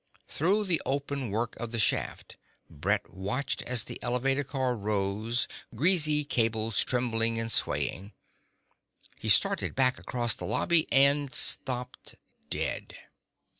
Through the openwork of the shaft Brett watched as the elevator car rose, greasy cables trembling and swaying. He started back across the lobby and stopped dead.